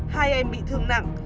hai em bị thương nặng